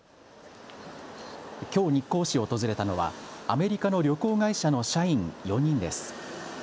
きょう日光市を訪れたのはアメリカの旅行会社の社員４人です。